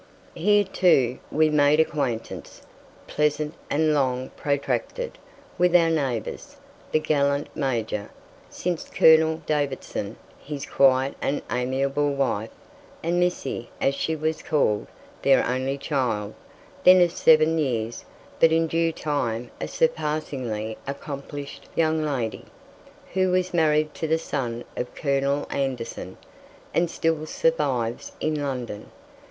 Here, too, we made acquaintance, pleasant and long protracted, with our neighbours, the gallant Major since Colonel Davidson, his quiet and amiable wife, and "Missie," as she was called, their only child, then of seven years, but in due time a surpassingly accomplished young lady, who was married to the son of Colonel Anderson, and still survives in London.